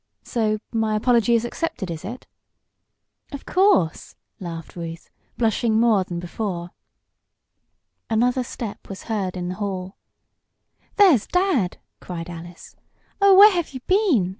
So my apology is accepted; is it?" "Of course," laughed Ruth, blushing more than before. Another step was heard in the hall. "There's dad!" cried Alice. "Oh, where have you been?"